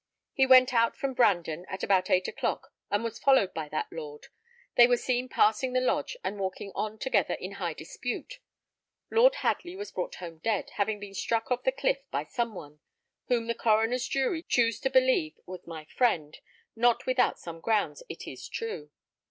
He went out from Brandon at about eight o'clock, and was followed by that lord: they were seen passing the lodge, and walking on together in high dispute. Lord Hadley was brought home dead, having been struck over the cliff by some one, whom the coroner's jury choose to believe was my friend: not without some grounds, it is true."